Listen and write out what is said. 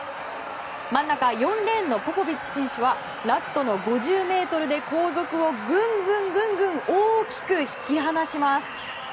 真ん中４レーンのポポビッチ選手はラストの５０ｍで後続をグングン大きく引き離します。